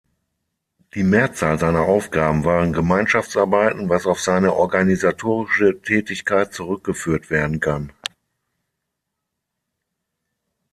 Die Mehrzahl seiner Aufgaben waren Gemeinschaftsarbeiten, was auf seine organisatorische Tätigkeit zurückgeführt werden kann.